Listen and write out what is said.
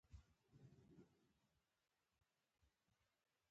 د ډیورنډ کرښه په نښه کېدله.